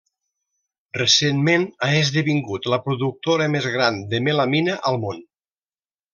Recentment ha esdevingut la productora més gran de melamina al món.